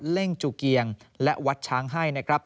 เล่งจูเกียงและวัดช้างให้นะครับ